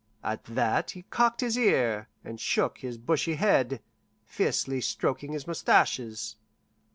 At that he cocked his ear and shook his bushy head, fiercely stroking his mustaches.